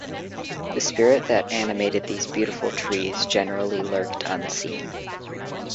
The spirit that animated these beautiful trees generally lurked unseen.